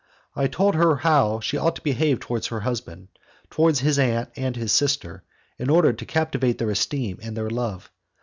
I told her how she ought to behave towards her husband, towards his aunt and his sister, in order to captivate their esteem and their love.